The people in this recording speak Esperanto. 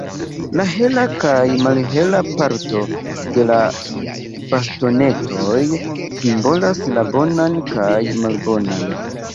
La hela kaj malhela parto de la bastonetoj simbolas la bonan kaj malbonan.